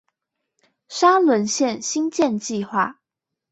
沙崙線興建計畫